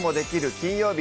金曜日」